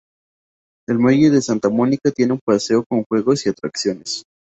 El muelle de Santa Mónica tiene un paseo con juegos y atracciones.